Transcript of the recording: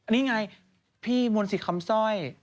นี่ไงพี่มนต์สิทธิ์คำสร้อย